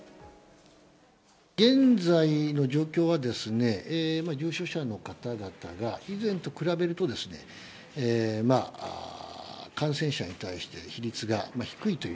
現在の状況は、重症者の方々が以前と比べるとですね、感染者に対して比率が低いという。